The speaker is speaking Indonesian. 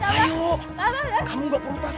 ayo kamu gak perlu takut